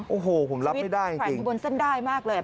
โอ้โหผมรับไม่ได้จริงชีวิตฝรั่งที่บนสั้นได้มากเลย